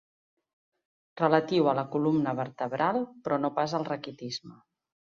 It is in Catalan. Relatiu a la columna vertebral, però no pas al raquitisme.